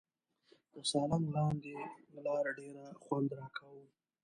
د سالنګ لاندې لار ډېر خوند راکاوه.